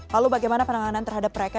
lalu bagaimana penanganan terhadap mereka